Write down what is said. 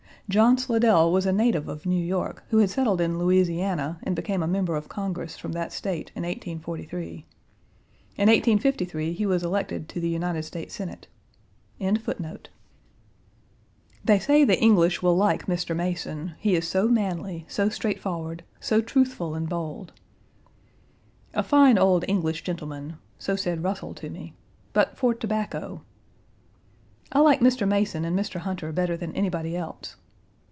John Slidell was a native of New York, who had settled in Louisiana and became a Member of Congress from that State in 1843. In 1853 he was elected to the United States Senate. Page 117 They say the English will like Mr. Mason; he is so manly, so straightforward, so truthful and bold. "A fine old English gentleman," so said Russell to me, "but for tobacco." "I like Mr. Mason and Mr. Hunter better than anybody else."